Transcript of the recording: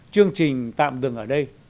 chương trình tạm dừng ở đây